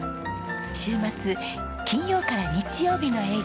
週末金曜から日曜日の営業です。